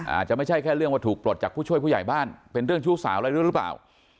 อาจจะไม่ใช่แค่เรื่องว่าถูกปลดจากผู้ช่วยผู้ใหญ่บ้านเป็นเรื่องชู้สาวอะไรด้วยหรือเปล่า